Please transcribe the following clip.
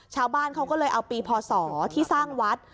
ชาวบ้านเขาก็เลยเอาปีพศที่สร้างวัด